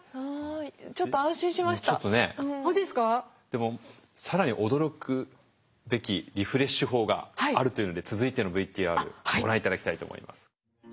でも更に驚くべきリフレッシュ法があるというので続いてのＶＴＲご覧頂きたいと思います。